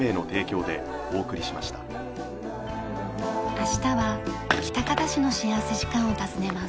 明日は喜多方市の幸福時間を訪ねます。